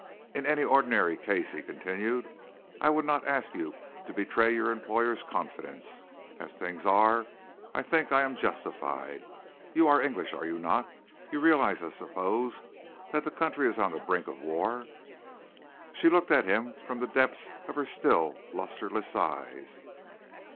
"In any ordinary case," he continued, "I would not ask you to betray your employer's confidence. As things are, I think I am justified. You are English, are you not? You realise, I suppose, that the country is on the brink of war?" She looked at him from the depths of her still, lusterless eyes.